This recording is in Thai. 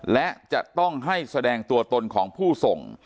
และจะต้องให้แสดงตัวตนของผู้ส่ง